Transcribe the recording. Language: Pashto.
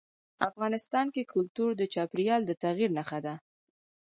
افغانستان کې کلتور د چاپېریال د تغیر نښه ده.